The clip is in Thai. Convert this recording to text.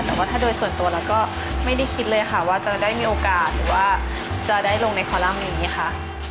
แต่ว่าถ้าโดยส่วนตัวแล้วก็ไม่ได้คิดเลยค่ะว่าจะได้มีโอกาสหรือว่าจะได้ลงในคอลัมป์นี้ค่ะ